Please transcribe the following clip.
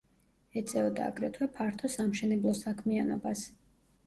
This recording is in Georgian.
ეწეოდა აგრეთვე ფართო სამშენებლო საქმიანობას.